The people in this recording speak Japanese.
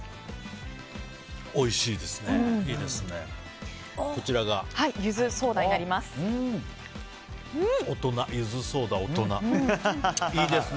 おいしいですね。